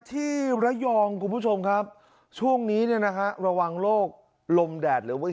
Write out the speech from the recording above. ที่ระยองคุณผู้ชมครับช่วงนี้เนี่ยนะฮะระวังโรคลมแดดหรือว่า